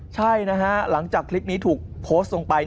ใช่นะฮะหลังจากคลิปนี้ถูกโพสต์ลงไป